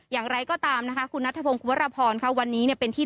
อย่างไรก็ตามนะค่ะคุณนัทธพลมคุณพรพรวันนี้เป็นที่